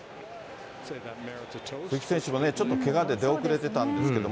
鈴木選手もね、ちょっとけがで出遅れてたんですけど。